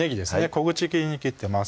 小口切りに切ってます